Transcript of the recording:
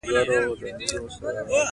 په نویو لنډیو کې به ټانک او راکټ راشي.